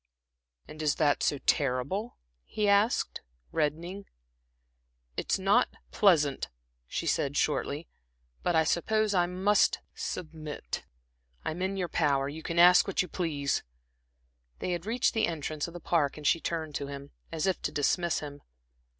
"And is that so terrible?" he asked, reddening. "It's not pleasant," she said, shortly "but I suppose I must submit. I'm in your power; you can ask what you please." They had reached the entrance of the Park, and she turned to him, as if to dismiss him.